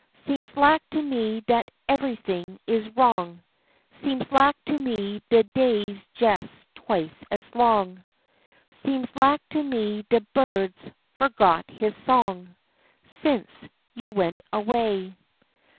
Seems lak to me dat ev'ything is wrong, Seems lak to me de day's jes twice as long, Seems lak to me de bird's forgot his song, Sence you went away.